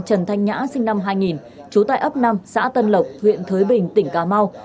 trần thanh nhã sinh năm hai nghìn trú tại ấp năm xã tân lộc huyện thới bình tỉnh cà mau